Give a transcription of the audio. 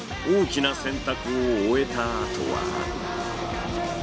大きな選択を終えたあとは。